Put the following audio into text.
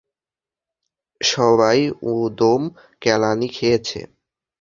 সবাই উদোম কেলানি খেয়েছে।